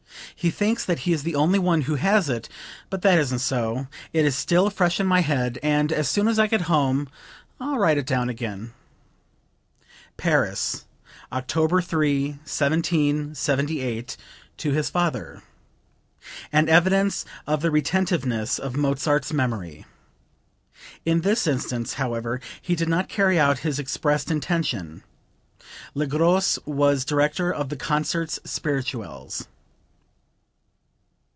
He thinks that he is the only one who has it; but that isn't so. It is still fresh in my head, and as soon as I get home I'll write it down again." (Paris, October 3, 1778, to his father. An evidence of the retentiveness of Mozart's memory. In this instance, however, he did not carry out his expressed intention. Le Gros was director of the Concerts spirituels.)